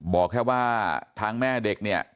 บอกแค่ว่าทางแม่เด็กเนี่ย